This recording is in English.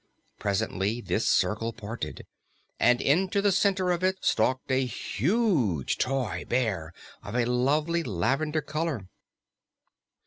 Presently, this circle parted, and into the center of it stalked a huge toy bear of a lovely lavender color.